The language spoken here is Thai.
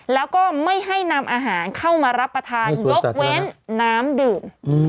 แล้วก็ไม่ให้นำอาหารเข้ามารับประทานยกเว้นน้ำดื่ม